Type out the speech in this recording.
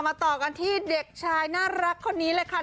ต่อกันที่เด็กชายน่ารักคนนี้เลยค่ะ